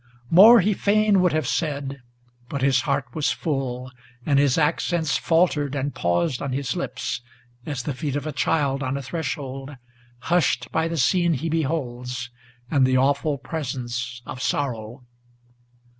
More he fain would have said, but his heart was full, and his accents Faltered and paused on his lips, as the feet of a child on a threshold, Hushed by the scene he beholds, and the awful presence of sorrow.